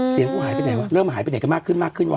กูหายไปไหนวะเริ่มหายไปไหนกันมากขึ้นมากขึ้นวะ